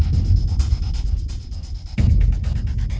ตอนที่สุดมันกลายเป็นสิ่งที่ไม่มีความคิดว่า